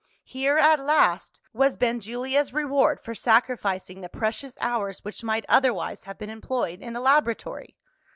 Here, at last, was Benjulia's reward for sacrificing the precious hours which might otherwise have been employed in the laboratory!